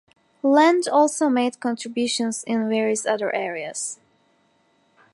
Lange also made contributions in various other areas.